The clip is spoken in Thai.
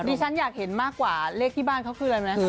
ดีซันอยากเห็นมากกว่าเลขที่บ้านเค้าคือนี่ไหม